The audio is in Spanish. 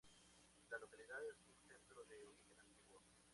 La localidad es un centro de origen antiguo.